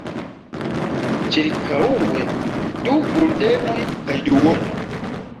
Ĉirkaŭe du guldenoj kaj duono.